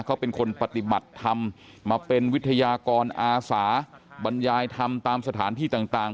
เขาเป็นคนปฏิบัติธรรมมาเป็นวิทยากรอาสาบรรยายธรรมตามสถานที่ต่าง